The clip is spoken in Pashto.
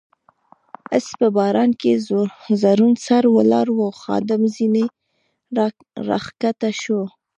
آس په باران کې ځوړند سر ولاړ و، خادم ځنې را کښته شو.